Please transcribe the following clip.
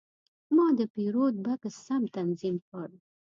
ما د پیرود بکس سم تنظیم کړ.